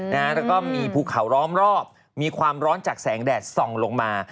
แล้วก็มีภูเขาล้อมรอบมีความร้อนจากแสงแดดส่องลงมา